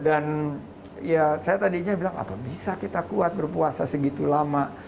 dan ya saya tadinya bilang apa bisa kita kuat berpuasa segitu lama